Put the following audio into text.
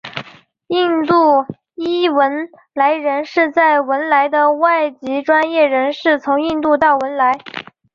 印度裔汶莱人是在文莱的外籍专业人士从印度到文莱。